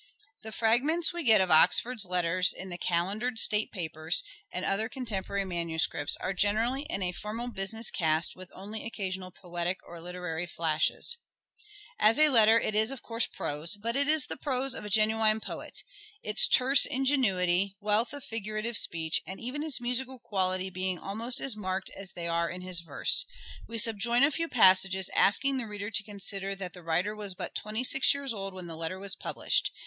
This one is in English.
The fragments we get of Oxford's letters in the Calendered State Papers and other contemporary manuscripts are generally in a formal business cast with only occasional poetic or literary flashes. EDWARD DE VERE AS LYRIC POET 165 As a letter it is, of course, prose ; but it is the prose Oxford's of a genuine poet : its " terse ingenuity," wealth prose of figurative speech, and even its musical quality being almost as marked as they are in his verse. We subjoin a few passages, asking the reader to consider that the writer was but twenty six years old when the letter was published.